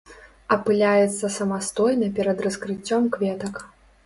Апыляецца самастойна перад раскрыццём кветак.